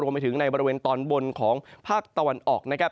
ไปถึงในบริเวณตอนบนของภาคตะวันออกนะครับ